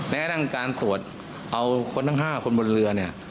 แม้กระทั่งการตรวจเอาคนทั้ง๕คนบนเรือเนี่ย